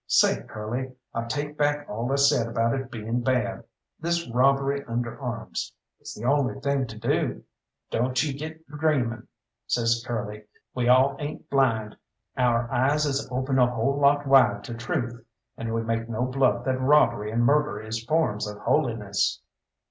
Say, Curly, I take back all I said about it being bad this robbery under arms. It's the only thing to do." "Don't you get dreaming," says Curly, "we all ain't blind; our eyes is open a whole lot wide to truth, and we make no bluff that robbery and murder is forms of holiness."